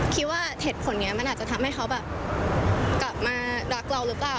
คิดว่าเหตุผลนี้มันอาจจะทำให้เขาแบบกลับมารักเราหรือเปล่า